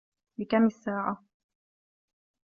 بكم الساعة؟